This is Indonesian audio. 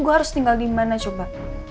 gue harus tinggal dimana coba